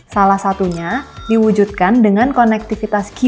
salah satunya diwujudkan dengan konektivitas qr antar negara